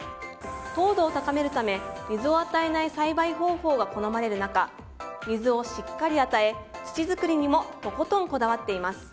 糖度を高めるため水を与えない栽培方法が好まれる中水をしっかり与え、土づくりにもとことんこだわっています。